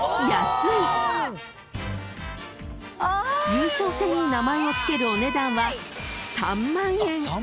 ［優勝戦に名前を付けるお値段は］